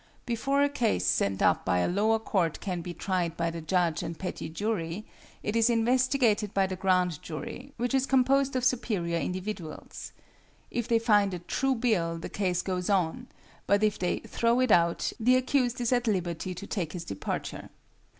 Before a case sent up by a lower court can be tried by the judge and petty jury, it is investigated by the grand jury, which is composed of superior individuals. If they find a 'true bill,' the case goes on; but if they 'throw it out,' the accused is at liberty to take his departure.